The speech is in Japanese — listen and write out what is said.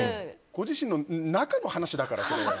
ご自身の中の話だから、それ。